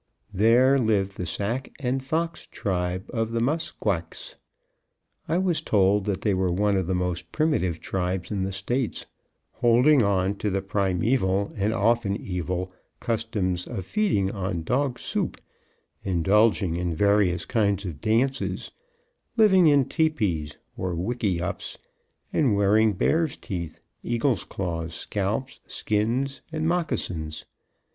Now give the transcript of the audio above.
There lived the Sac and Fox tribe of the Musquaques. I was told that they were one of the most primitive tribes in the States, holding on to the primeval, and often evil, customs of feeding on dog soup, indulging in various kinds of dances, living in teepees, or wickey ups, and wearing bears' teeth, eagles' claws, scalps, skins and moccasins.